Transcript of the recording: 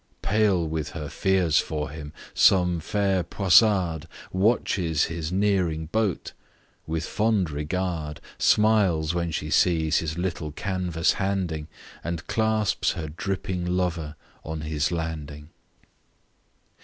Pale with her fears for him, some fair Poissarde , Watches his nearing boat; with fond regard Smiles when she sees his little canvass handing, And clasps her dripping lover on his landing.